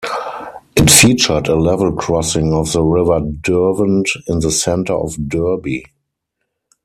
It featured a level crossing of the River Derwent in the centre of Derby.